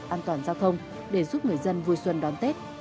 an toàn giao thông để giúp người dân vui xuân đón tết